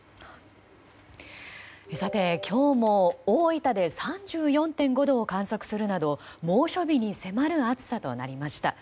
さて、今日も大分で３４．５度を観測するなど猛暑日に迫る暑さとなりました。